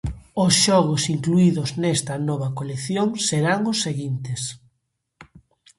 Os xogos incluídos nesta nova colección serán os seguintes: